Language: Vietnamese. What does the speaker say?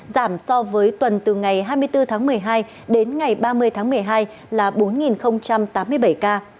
giảm so với tuần từ ngày hai mươi bốn tháng một mươi hai đến ngày ba mươi tháng một mươi hai là bốn tám mươi bảy ca